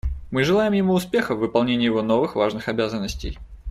Мы желаем ему успеха в выполнении его новых важных обязанностей.